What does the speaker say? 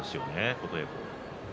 琴恵光は。